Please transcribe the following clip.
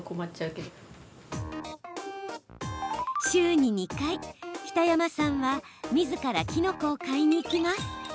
週に２回、北山さんはみずからきのこを買いに行きます。